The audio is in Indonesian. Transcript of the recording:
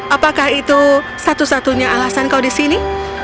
apakah itu satu satunya alasan kau di sini